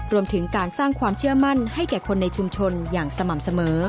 รวมถึงการสร้างความเชื่อมั่นให้แก่คนในชุมชนอย่างสม่ำเสมอ